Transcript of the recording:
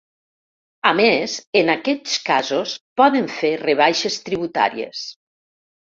A més, en aquests casos poden fer rebaixes tributàries.